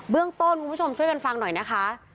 เรื่องต้นคุณผู้ชมช่วยกันฟังหน่อยนะคะ